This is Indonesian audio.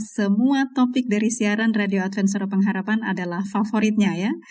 semua topik dari siaran radio advent suara pengharapan adalah favoritnya ya